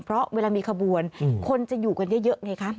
เพราะเวลามีขบวนคนจะอยู่กันเยอะไงคะ